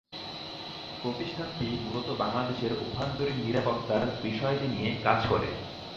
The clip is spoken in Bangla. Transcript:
প্রতিষ্ঠানটি মূলত বাংলাদেশের অভ্যন্তরীণ নিরাপত্তার বিষয়াদি নিয়ে কাজ করে।